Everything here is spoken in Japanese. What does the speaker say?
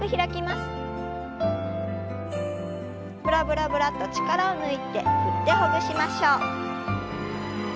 ブラブラブラッと力を抜いて振ってほぐしましょう。